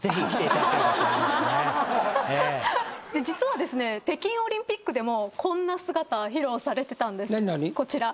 実は北京オリンピックでもこんな姿、披露されてたんです。